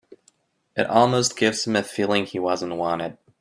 It almost gives him a feeling he wasn't wanted.